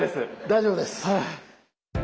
大丈夫です。